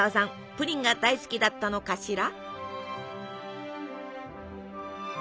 プリンが大好きだったのかしら？